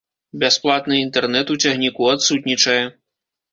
Бясплатны інтэрнэт у цягніку адсутнічае.